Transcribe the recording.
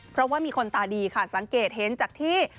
เพราะว่ามีคนตาดีค่ะสังเกตเห็นจากที่